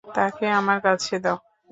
তাকে আমার কাছে দাও।